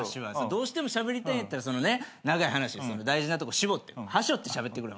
どうしてもしゃべりたいんやったら長い話大事なとこ絞ってはしょってしゃべってくれ。